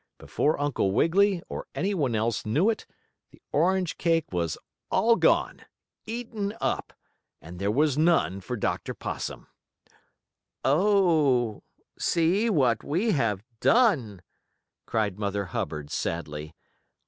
Before Uncle Wiggily, or any one else knew it, the orange cake was all gone eaten up and there was none for Dr. Possum. "Oh, see what we have done!" cried Mother Hubbard, sadly.